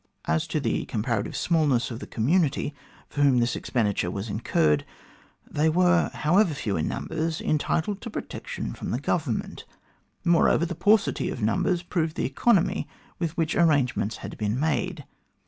As to the comparative smallness of the community for whom this expendi ture was incurred, they were, however few in numbers, entitled to protection from the Government ; moreover, the paucity of numbers proved the economy with which the arrangements had been made.